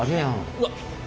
うわっ！